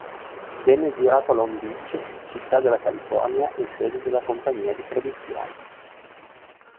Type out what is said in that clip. Venne girato a Long Beach, città della California e sede della compagnia di produzione.